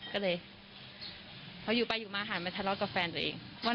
ก็เลยเขาอยู่ไปอยู่มานานนะทะเลาะกับแฟนเจอกันเอง